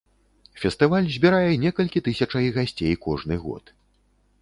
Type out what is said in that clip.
Фестываль збірае некалькі тысячай гасцей кожны год.